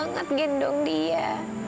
dia sudah pilih arahan dengan kita